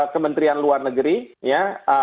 kementerian luar negeri ya